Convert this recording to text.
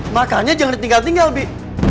makanya jangan ditinggal tinggal bi